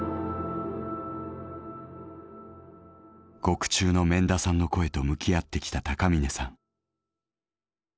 獄中の免田さんの声と向き合ってきた高峰さん。